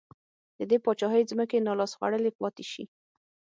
د دې پاچاهۍ ځمکې نا لاس خوړلې پاتې شي.